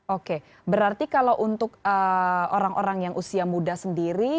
oke berarti kalau untuk orang orang yang usia muda sendiri